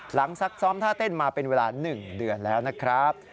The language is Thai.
ซักซ้อมท่าเต้นมาเป็นเวลา๑เดือนแล้วนะครับ